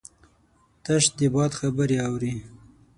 تش د باد خبرې اوري